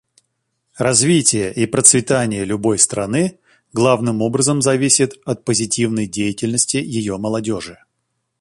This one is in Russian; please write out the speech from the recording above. Развитие и процветание любой страны главным образом зависит от позитивной деятельности ее молодежи.